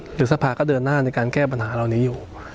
สภาก็เดินหน้าในการแก้ปัญหาเหล่านี้อยู่